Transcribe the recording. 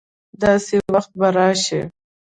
داسي وخت به راشي